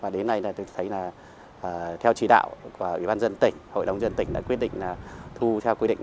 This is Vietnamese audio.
đạo và ủy ban dân tỉnh hội đồng dân tỉnh đã quyết định là thu theo quy định